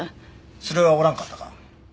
連れはおらんかったか？